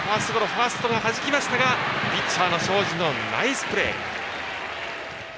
ファーストがはじきましたがピッチャーの庄司のナイスプレー。